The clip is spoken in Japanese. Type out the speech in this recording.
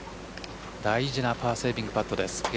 大事なパーセービングパットです。